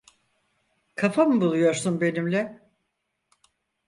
Kafa mı buluyorsun benimle?